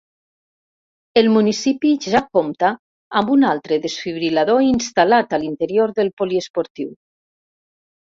El municipi ja compta amb un altre desfibril·lador instal·lat a l’interior del poliesportiu.